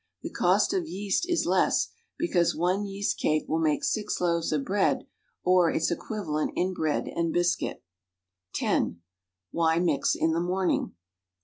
The cost of yeast is less, because one yeast cake will make six loaves of bread or its equivalent in bread and biscuit. (10) Why mix in the morning?